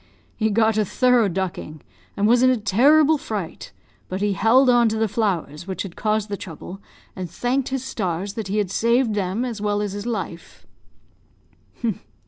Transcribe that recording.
He got a thorough ducking, and was in a terrible fright; but he held on to the flowers which had caused the trouble, and thanked his stars that he had saved them as well as his life.